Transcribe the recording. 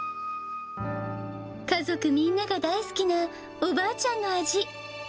家族みんなが大好きなおばあちゃんの味。